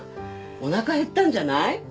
おなか減ったんじゃない？